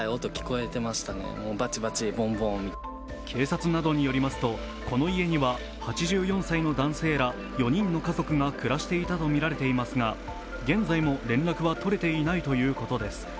警察などによりますとこの家には８４歳の男性ら４人の家族が暮らしていたとみられていますが現在も連絡はとれていないということです。